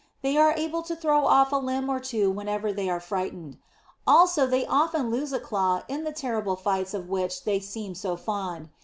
They are able to throw off a limb or two whenever they are frightened. Also they often lose a claw in the terrible fights of which they seem so fond.